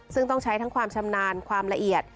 ซึ่งต้องใช้ทั้งความชำนาญความละเอียด